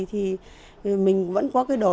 thì mình vẫn có cái đồ